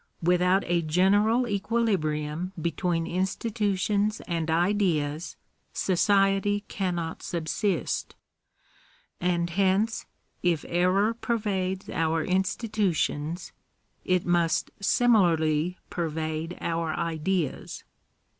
With out a general equilibrium between institutions and ideas society cannot subsist ; and hence, if error pervades our institutions, it must similarly pervade our ideas.